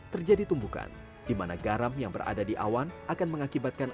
terjadi tumbukan di mana garam yang berada di awan akan mengakibatkan